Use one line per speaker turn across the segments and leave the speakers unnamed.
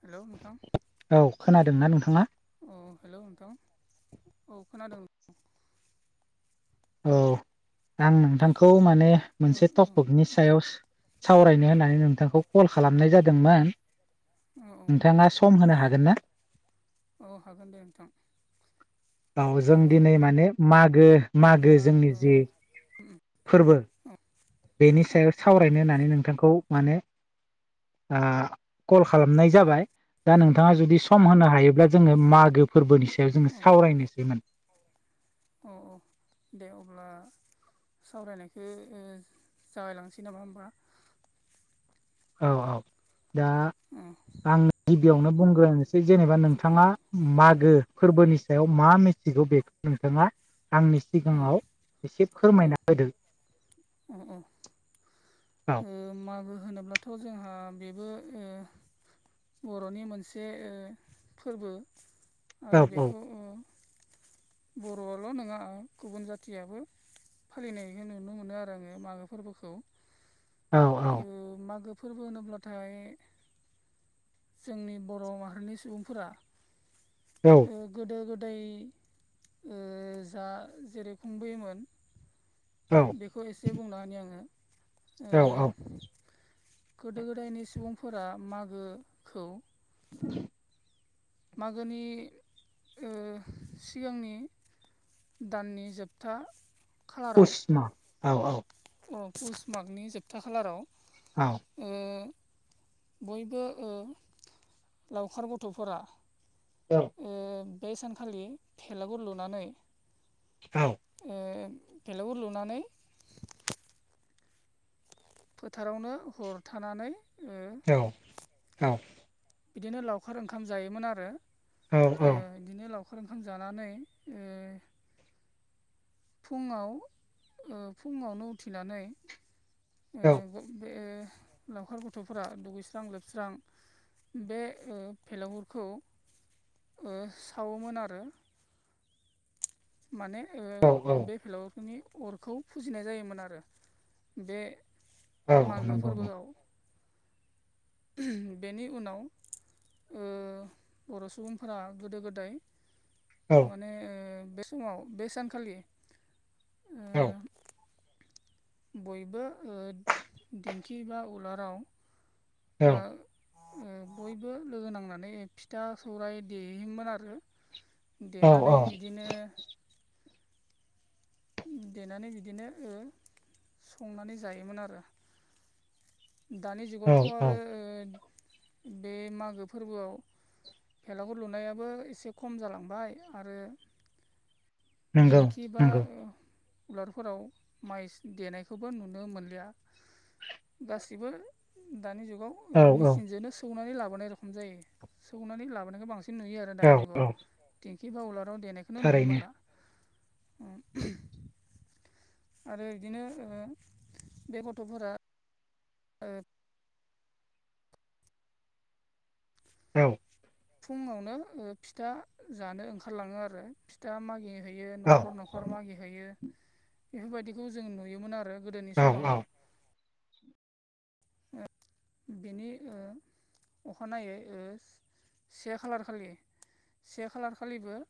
हेल' नोंथां।
औ खोनादोंना नोंथाङा
अ हेल' नोंथां औ खोनादों
औ आं नोंथांखौ माने
औ औ
मोनसे टपकनि सायावस सावरायनो होननानै नोंथांखौ कल खालामनाय जादोंमोन।
औ
नोंथाङा सम होनो हागोन ना?
औ हागोन दे नोंथां।
दाव जों
ओ
दिनै माने मागो मागो
बिदिब्ला
जोंनि
ओ
जि फोरबो,
औ
बेनि सायाव सावरायनो होननानै नोंथांखौ माने आ कल खालामनाय जाबाय। दा नोंथाङा जुदि सम होनो हायोब्ला जोङो मागो फोरबोनिसो सायाव जोङो
औ
सावरायनोसैमोन।
औ औ दे अब्ला सावरायनायखौ ओ जागायलांनोसै नामा होमबा?
औ औ दा
ओ
आं गिबियावनो बुंग्रोनोसै जेनेबा
ओ
नोंथाङा मागो फोरबोनि सायाव मा मिथिगौ बेखौ नोंथाङा आंनि
औ
सिगाङाव एसे फोरमायना होदों।
उम उम
औ
ओ मागो होनोब्लाथ' जोंहा बेबो ओ बर'नि मोनसे ओ फोरबो।
औ
आरो
औ
बेखौ बर'आल' नङा गुबुन जाथियाबो फालिनायखौ नुनो मोनो आरो आङो मागो फोरबोखौ।
औ
मागो फोरबो होनोब्लाथाय जोंनि बर' माहारिनि सुबुंफोरा
औ
ओ गोदो गोदाय ओ जा जेरै खुंबोयोमोन।
औ
बेखौ एसे बुंना होनि आङो। ओ
औ औ
गोदो गोदायनि सुबुंफोरा मागोखौ
[inaudible]
मागोनि ओ सिगांनि दाननि जोबथा खालाराव
उसमा औ औ
अ पुस मागनि जोबथा खालाराव
औ
ओ बयबो ओ लावखार गथ'फोरा
औ
बे सानखालि थेलागुर लुनानै
औ
ओ बेलागुर लुनानै फोथारावनो हर थानानै ओ
औ औ औ
बिदिनो लावखार ओंखाम जायोमोन आरो
औ
बिदिनो लावखार ओंखाम जानानै ओ फुङाव ओ फुङावनो उथिनानै ओ बे लावखार गथ'फोरा दुगैस्रां लोबस्रां बे ओ फेलागुरखौ ओ सावोमोन आरो। माने ओ बे [unintelligible] फोरनि अरखौ फुजिनाय जायोमोन आरो। बे
औ
मागो
नंगौ औ
फोरबोआव बेनि उनाव ओ बर' सुबुंफोरा गोदो गोदाय
औ
माने ओ बे समाव बे सानखालि
औ
ओ बयबो ओ दिंखि बा उलाराव बा ओ बयबो लोगो नांनानै फिथा सौरायाइ देयोमोन आरो।
औ
देनानै बिदिनो देनानै बिदिनो ओ संनानै जायोमोन आरो। दानि
औ
जुगावथ'
औ
आरो ओ बे मागो फोरबोआव बेलागुर लुनायाबो एसे खम जालांबाय आरो
नंगौ
दिंखि बा
नंगौ
उलारफोराव माइ देनायखौबो नुनो मोनलिया गासिबो दानि जुगाव
औ औ
मेचिनजोंनो सौनानै लाबोनाय रखम जायो सौनानै लाबोनायखौ बांसिन नुयो आरो
औ
दानि जुगाव
औ
देंखि बा वलाराव देनायखौनो नुनो
थारैनो
मोनला आरो बिदिनो ओ बे गथ'फोरा ओ
औ
फुङावनो फिथा जानो ओंखारलाङो आरो फिथा मागि हैयो न'खर
औ
न'खर नखर मागिहैयो बेफोरबायदिखौ जों नुयोमोन आरो गोदोनि
औ औ
समाव बिनि ओ अखानायै ओ से खालार खालि से खालार खालिबो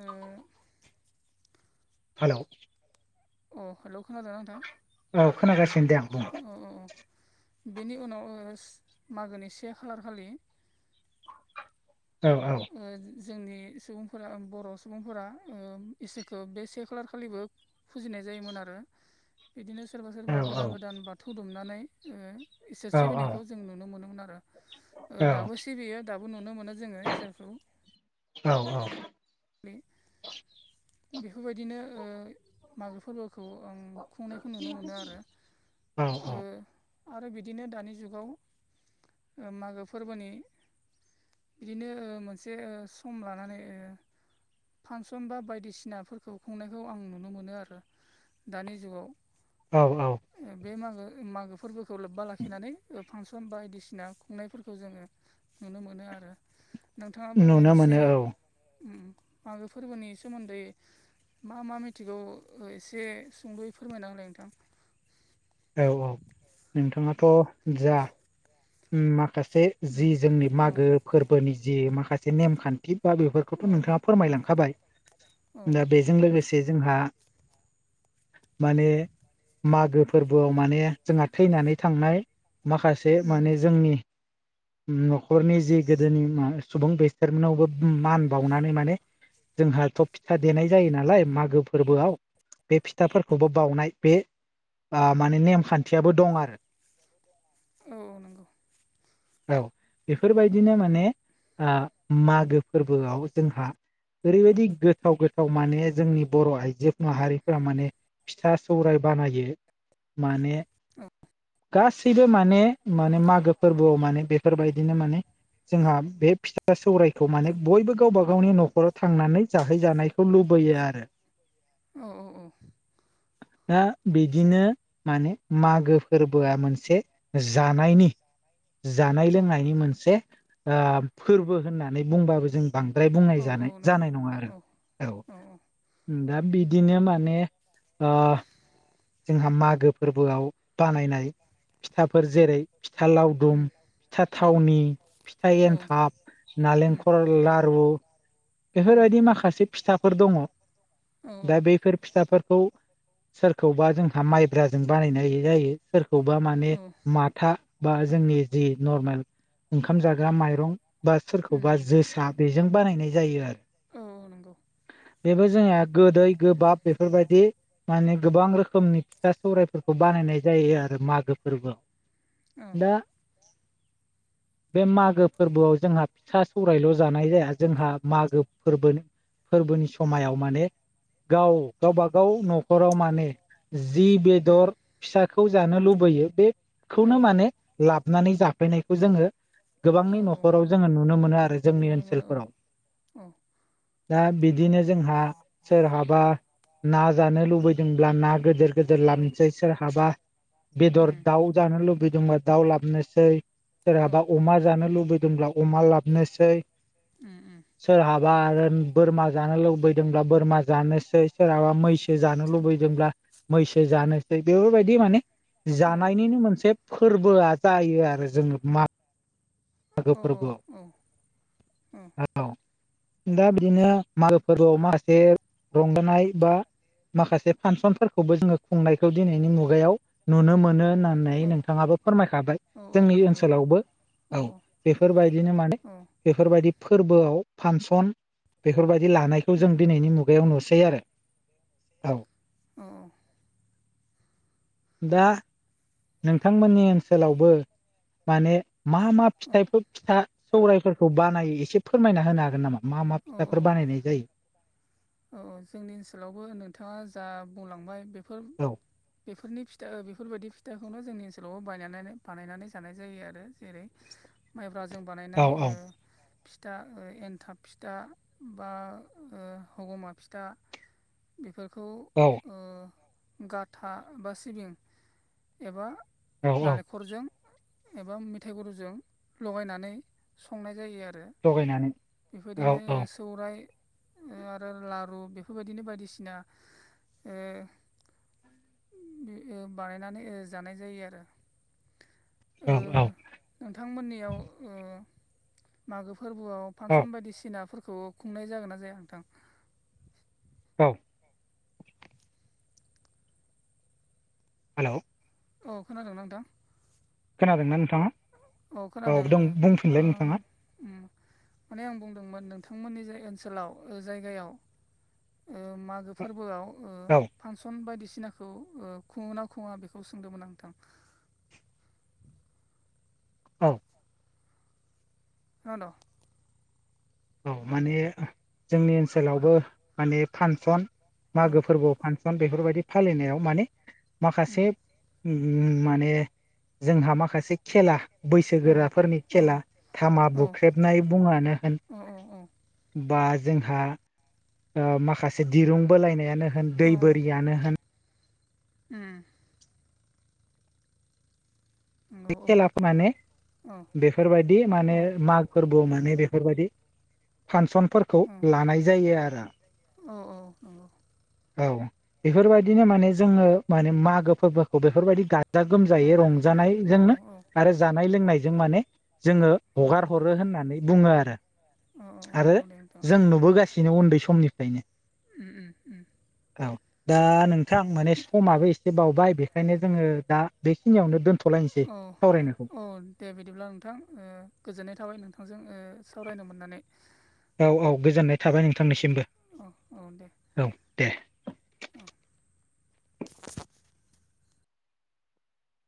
अ
हेलौ
अ हेलौ खोनादों नोंथां
औ खोनागासिनो दे आं बुं
औ औ बेनि उनाव मागोनि से खालार खालि
औ औ
जोंनि सुबुंफोरा बर' सुबुंफोरा इसोरखौ बे से खालार खालिबो फुजिनाय जायोमोन आरो बिदिनो सोरबा सोरबा गोदान गोदान बाथौ दुमनानै इसोर
औ
सिबिनायखौ जों नुनो मोनोमोन आरो दाबो सिबियो दाबो नुनो मोनो जोङो [unintelligible] बेफोरबायदिनो मागो फोरबो खौ आं खुंनायखौ नुनो मोनो आरो
औ
ओ आरो बिदिनो दानि जुगाव मागो फोरबोनि बिदिनो मोनसे सम लानानै फांसन बा बायदिसिनाफोरखौ खुंनायखौ आं नुनो मोनो आरो दानि जुगाव
औ औ
बे मागो मागो फोरबोखौ लोब्बा लाखिनानै फांसन बायदिसिना खुंनायफोरखौ जोङो नुनो मोनो आरो नोंथाङाबो
नुनो
एसे
मोनो औ
मागो फोरबोनि सोमोन्दै मा मा मिथिगौ एसे सुंद'यै फोरमायना होलाय नोंथां
औ औ नोंथाङाथ' जा माखासे जि जोंनि
औ
मागो फोरबोनि जि माखासे नेमखान्थि बा बेफोर
औ
खौथ' नोंथाङा
औ
फोरमायलांखाबाय
औ
दा बेजों लोगोसे जोंहा माने मागो फोरबोआव माने जोंहा थैनानै थांनाय माखासे माने जोंनि [inaudible] न'खरनि जि गोदोनि सुबुं बेसोरमोननावबो मान बावनानै माने जोंहाथ' फिथा देनाय जायो नालाय मागो फोरबोआव बे फिथाफोरखौबो बाउनाय बे माने नेमखान्थियाबो दं आरो
औ औ नंगौ
औ बेफोरबायदिनो माने मागो फोरबोआव जोंहा ओरैबायदि गोथाव गोथाव माने जोंनि बर' आइजो माहारिफोरा माने फिथा सौराय बानायो माने
औ
गासैबो माने माने मागो फोरबोआव माने बेफोरबायदिनो माने जोंहा बे फिथा सौरायखौ माने बयबो गावबा गावनि न'खराव थांनानै जाहैजानाय खौ लुबैयो आरो
औ औ औ
दा बिदिनो माने मागो फोरबोआ मोनसे जानायनि जानाय
औ
लोंनायनि मोनसे आ फोरबो होननानै बुंबाबो जों बांद्राय बुंनाय
औ औ
जानाय
नंगौ
जानाय नङा आरो
औ
औ दा बिदिनो माने आ जोंहा माग गो फोरबोआव बानायनाय फिथाफोर जेरै फिथा लावदुम फिथा थावनि फिथा एन्थाब। नालेंखर लारु बेफोरबायदि माखासे फिथाफोर दङ
औ
दा बैफोर फिथाफोरखौ खौबा जोंहा माइब्राजों बानायनाय जायो सोरखौबा माने
औ
माथा बा जोंनि जि नर्मेल ओंखाम जाग्रा माइरं बा सोरखौबा
औ
जोसा बेजों बानायनाय जायो आरो
औ नंगौ
बेबो जोंनिया गोदै गोबाब बेफोरबायदि माने गोबां रोखोमनि फिथा सौरायफोरखौ बानायनाय जायो आरो मागो फोरबोआव।
अ
दा बे मागो फोरबोआव जोंहा फिथा सौरायल' जानाय जाया जोंहा मागो फोरबोनि फोरबोनि समायाव माने गाव गावबा गाव न'खराव मा ने जि
उम
बेदर फिसाखौ जानो लुबैयो
औ
बेखौनो माने लाबनानै जाफैनायखौ जोङो
औ
गोबांनि
औ
नखराव जोङो नुनो मोनो आरो जोंनि
नुनो मोनो औ
ओनसोलफोराव।
औ
दा बिदिनो जोंहा सोरहाबा ना जानो लुबैदोंब्ला ना गोदोर गोदोर
औ
लाबोनोसै सोरहाबा बेदर
उम
दाउ जानो लुबैदोंबा दाउ लाबनोसै।
औ
सोरहाबा अमा जानो लुबैदोंब्ला अमा लाबनोसै
उम
सोरहाबा आरो बोरमा जानो लुबैदोंब्ला बोरमा जानोसै सोरहाबा मैसो जानो लु बैदोंब्ला मैसो जानोसै बेफोरबायदि माने
औ
जानायनिनो मोनसे फोरबोआ जायो आरो जोङो माग [inaudible] मागो
औ औ
फोरबोआव
औ
औ दा बिदिनो मागो फोरबोआव माखासे रंजानाय बा माखासे फानसनफोरखौबो जोङो खुंनायखौ दिनैनि मुगायाव नुनो मोनो होननानै नै
औ
नोंथाङाबो फोरमायखाबाय
औ औ
जोंनि
नंगौ
ओनसोलावबो औ बेफोरबायदिनो माने
उम औ
बेफोरबायदि फोरबोआव फानसन बेफोरबायदि लानायखौ जों दिनैनि मुगायाव नुसै आरो औ।
औ
दा नोंथांमोननि ओनसोलावबो माने मा मा
औ
फिथाइफोर फिथा सौरायाइफोरखौ बानायो एसे फोरमायना होनो हागोन नामा। मा मा फिथाफोर बानायनाय जायो
औ जोंनि ओनसोलावबो नोंथाङा जा बुंलांबाय बेफोर
जायो
बेफोरनि फिथा ओ बेफोरबायदि फिथाखौनो जोंनि ओनसोलावबो बायनायनानै बानायनानै जानाय जायो आरो जेरै माइब्राजों
औ
बानायनाय ओ फिथा ओ एन्थाब फिथा बा हगमा फिथा बेफोरखौ
औ
ओ गाथा बा सिबिं एबा
औ औ
नालेंखरजों एबा मेथाइ गुरुजों लगायनानै संनाय जायो आरो
लगायनानै औ
बेफोरबायदिनो सौराय ओ आरो ला रु बेफोरबायदिनो बायदिसिना ओ ओ बानायनानै ओ जानाय जायो आरो
औ औ
उम नोंथांमोननियाव उम मागो फोरबोआव
औ
फांसन बायदिसिनाफोरखौ खुंनाय जागोन ना जाया नोंथां
औ हेल'
औ खोनादों ना नोंथां
खोनादों ना नोंथाङा
औ खोनादों
दं बुंफिनलाय
आं
नोंथाङा
उम माने आं बुंदोंमोन नोंथांमोननि जाय ओनसोलाव ओ जायगायाव मागो फोरबोआव
औ
फांसन बायदिसिनाखौ ओ खुङोना खुङा बेखौ सोंदोंमोन नोंथां
औ
खोनादों
औ माने जोंनि ओनसोलावबो माने फांसन
औ
मागो फोरबोआव फानसन बेफोरबायदि फालिनायाव माने
उम
माखासे माने जोंहा माखासे खेला
औ
बैसोगोराफोरनि
औ
खेला थामा
औ
बुख्रेबनाय बुङानो होन
औ
बा जोंहा ओ माखासे दिरुं बोलायनायानो होन
औ
दै बोरियानो होन
उम नंगौ औ
खेलाखौ माने
औ
बेफोरबायदि माने
औ
माग फोरबो माने बेफोरबायदि फांसनफोरखौ लानाय जायो आरो
औ औ औ
औ बेफोरबायदिनो माने जोङो माने मागो फोरबोखौ बेफोरबायदि गा गाजा गोमजायै
औ
रंजानायजोंनो
औ
आरो जानाय लोंनायजों माने जोङो हगार हर होननानै बुङो आरो आरो
नंगौ दे नोंथां
जों
औ
नुबोगासिनो उन्दै समनिफ्रायनो
उम उम उम
औ दा नोंथां माने समाबो एसे बावबाय बेखायनो जोङो दा बेखिनियावनो दोनथ'लायनोसै
औ
सावरायनायखौ
औ दे बिदिब्ला नोंथां गोजोननाय थाबाय नोंथांजों सावरायनो मोननानै
औ औ गोजोननाय थाबाय नोंथांनिसिमबो
अ औ दे
औ दे